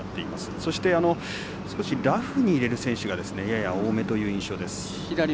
そして、少しラフに入れる選手がやや多めという印象です。